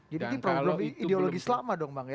jadi ini ideologi selama dong bang ya